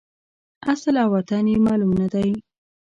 اصل او وطن یې معلوم نه دی.